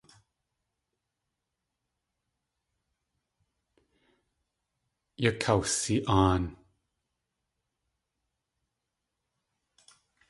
Yakawsi.aan.